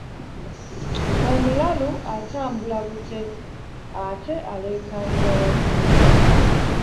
Omulalu atambula bute ate alekaanira waggulu!